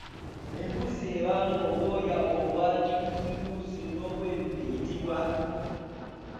Embuzi ebaamu obwoya obwa kikuusikuusi n'obweru eyitibwa?